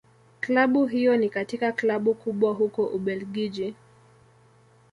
Klabu hiyo ni katika Klabu kubwa huko Ubelgiji.